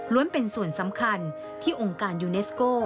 เป็นส่วนสำคัญที่องค์การยูเนสโก้